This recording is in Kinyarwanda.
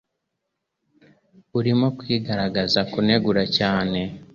Urimo kwigaragaza kunegura cyane